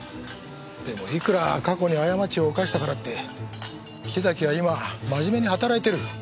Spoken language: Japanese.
でもいくら過去に過ちを犯したからって木崎は今真面目に働いてる。